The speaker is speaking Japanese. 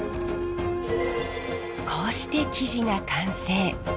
こうして生地が完成。